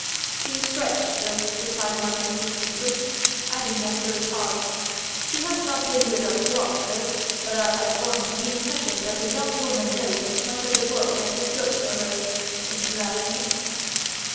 "She's French, sir," replied Martin succinctly; adding after a pause: "She has not been with us long, sir, but I have formed the impression that the young woman knows as much of the world as is good for her since you ask me."